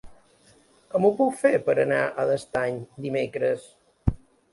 Com ho puc fer per anar a l'Estany dimecres?